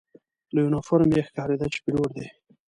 له یونیفورم یې ښکارېده چې پیلوټ دی.